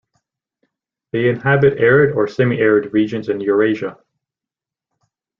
They inhabit arid or semi-arid regions in Eurasia.